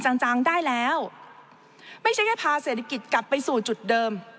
จังจังได้แล้วไม่ใช่แค่พาเศรษฐกิจกลับไปสู่จุดเดิม